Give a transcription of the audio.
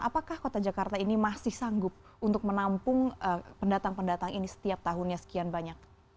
apakah kota jakarta ini masih sanggup untuk menampung pendatang pendatang ini setiap tahunnya sekian banyak